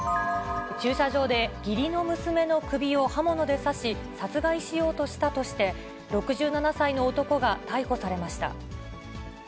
駐車場で義理の娘の首を刃物で刺し、殺害しようとしたとして、６７歳の男が逮捕されました。